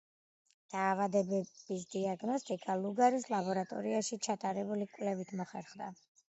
დაავადების დიაგნოსტირება ლუგარის ლაბორატორიაში ჩატარებული კვლევით მოხერხდა.